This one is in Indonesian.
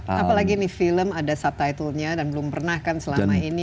apalagi nih film ada subtitlenya dan belum pernah kan selama ini